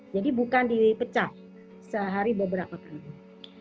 jadi bukan dipecah sehari beberapa kali